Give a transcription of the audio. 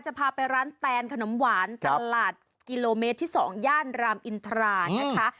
จะพาไปร้านแตนขนมหวานตลาดกิโลเมตรที่๒ย่านรามอินทรานะคะ